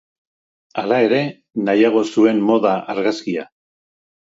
Hala ere, nahiago zuen moda-argazkia.